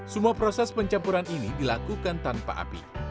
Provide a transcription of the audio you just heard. semua proses pencampuran ini dilakukan tanpa api